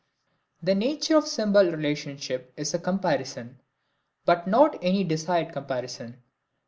The nature of the symbol relationship is a comparison, but not any desired comparison.